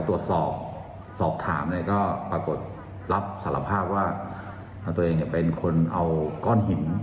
ตรวจสอบสอบถามเนี่ยก็ปรากฏรับสารภาพว่าตัวเองเป็นคนเอาก้อนหิน